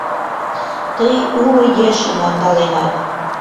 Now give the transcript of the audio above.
Тый уло ешым ондаленат.